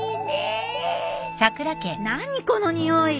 何このにおい！？